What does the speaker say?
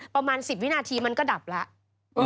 ประมาณ๑๐วินาทีมันก็ดับแล้ว